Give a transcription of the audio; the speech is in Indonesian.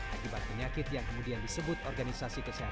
akibat penyakit yang kemudian disebut organisasi kesehatan